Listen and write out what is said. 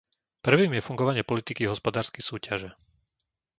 Prvým je fungovanie politiky hospodárskej súťaže.